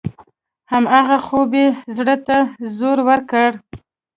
همدغه خوب یې زړه ته زور ورکړ.